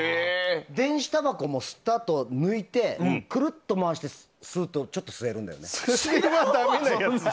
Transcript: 電子たばこも吸ったあと抜いてくるっと回して吸うとちょっと吸えるんだよ。